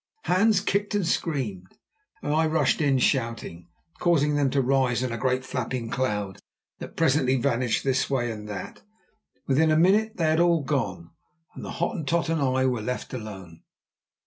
Hans kicked and screamed, and I rushed in shouting, causing them to rise in a great, flapping cloud that presently vanished this way and that. Within a minute they had all gone, and the Hottentot and I were left alone.